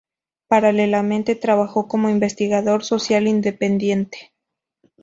Paralelamente trabajó como investigador social independiente.